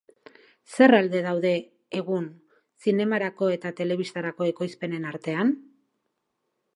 Zer alde daude egun zinemarako eta telebistarako ekoizpenen artean?